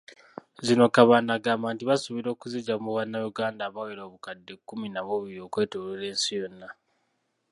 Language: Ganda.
Zino Kabanda agamba nti basuubira okuziggya mu bannayuganda abawera obukadde kkumi na bubiri okwetoloola ensi yonna.